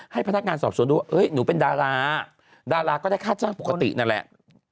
ให้พนักงานสอบสวนดูว่าหนูเป็นดาราดาราก็ได้ค่าจ้างปกตินั่นแหละ